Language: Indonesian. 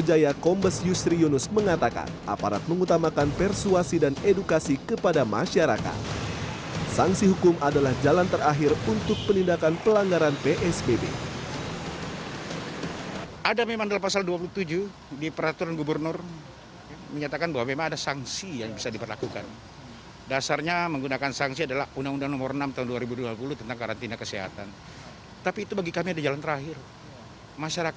jualan ikan yang lebih berkualitas